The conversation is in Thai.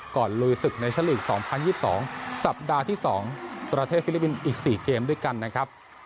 ลุยศึกเนชั่นลีก๒๐๒๒สัปดาห์ที่๒ประเทศฟิลิปปินส์อีก๔เกมด้วยกันนะครับ